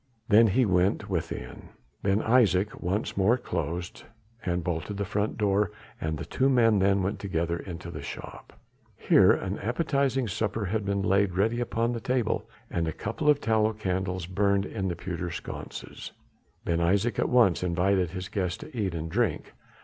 Then he went within. Ben Isaje once more closed and bolted the front door and the two men then went together into the shop. Here an appetizing supper had been laid ready upon the table and a couple of tallow candles burned in pewter sconces. Ben Isaje at once invited his guest to eat and drink.